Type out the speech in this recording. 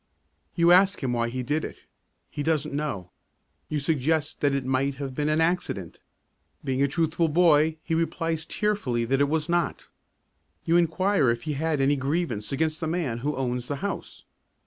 You ask him why he did it. He doesn't know. You suggest that it might have been an accident. Being a truthful boy, he replies tearfully that it was not. You enquire if he had any grievance against the man who owns the house.